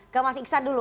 ke mas iksan dulu